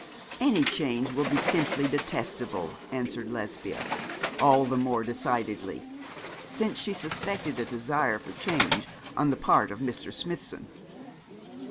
'Any change will be simply detestable,' answered Lesbia, all the more decidedly since she suspected a desire for change on the part of Mr. Smithson.